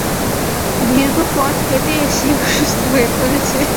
দীর্ঘ পথ হেঁটে এসে অসুস্থ হয়ে পড়েছে।